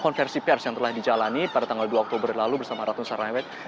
konversi pers yang telah dijalani pada tanggal dua oktober lalu bersama ratu saraweh